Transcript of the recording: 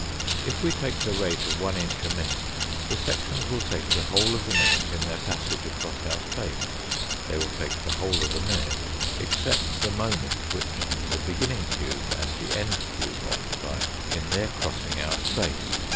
If we take the rate of one inch a minute the sections will take the whole of the minute in their passage across our space, they will take the whole of the minute except the moment which the beginning cube and the end cube occupy in their crossing our space.